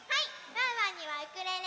ワンワンにはウクレレ！